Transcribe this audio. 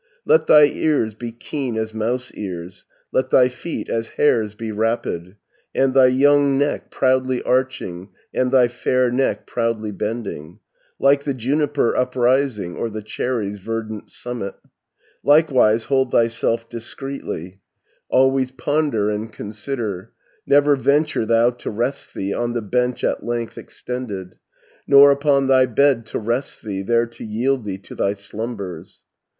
230 "Let thy ears be keen as mouse ears, Let thy feet as hare's be rapid, And thy young neck proudly arching, And thy fair neck proudly bending, Like the juniper uprising, Or the cherry's verdant summit. "Likewise hold thyself discreetly, Always ponder and consider; Never venture thou to rest thee On the bench at length extended, 240 Nor upon thy bed to rest thee, There to yield thee to thy slumbers.